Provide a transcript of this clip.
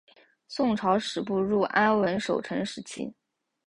宋朝始步入安稳守成时期。